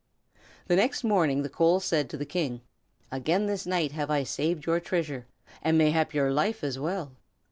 The next morning the coal said to the King: "Again this night have I saved your treasure, and mayhap your life as well.